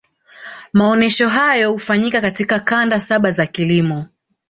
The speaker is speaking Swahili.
maonesho hayo hufanyika katika kanda saba za kilimo